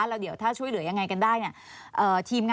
แล้วเดี๋ยวถ้าช่วยเหลือยังไงกันได้เนี่ย